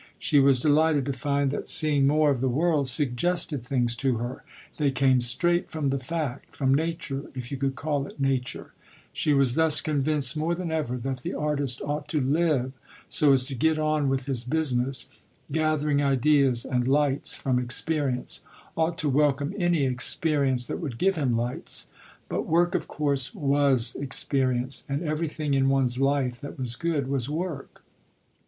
She was delighted to find that seeing more of the world suggested things to her; they came straight from the fact, from nature, if you could call it nature; she was thus convinced more than ever that the artist ought to live so as to get on with his business, gathering ideas and lights from experience ought to welcome any experience that would give him lights. But work of course was experience, and everything in one's life that was good was work.